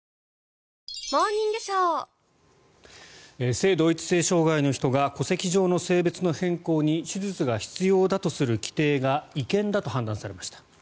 性同一性障害の人が戸籍上の性別の変更に手術が必要だとする規定が違憲だと判断されました。